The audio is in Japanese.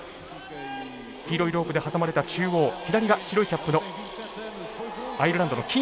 黄色いロープで挟まれた中央左が白いキャップのアイルランドのキーンです。